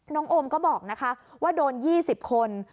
โอมก็บอกนะคะว่าโดน๒๐คน